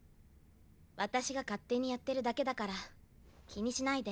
私が勝手にやってるだけだから気にしないで。